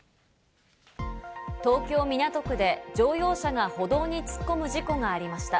東京・港区で乗用車が歩道に突っ込む事故がありました。